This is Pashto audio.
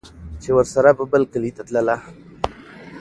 چې ورسره به بل کلي ته تلله